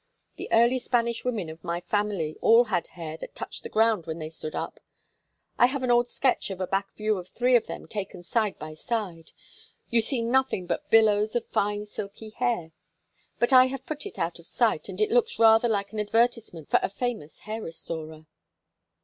The early Spanish women of my family all had hair that touched the ground when they stood up. I have an old sketch of a back view of three of them taken side by side; you see nothing but billows of fine silky hair. But I have put it out of sight, as it looks rather like an advertisement for a famous hair restorer."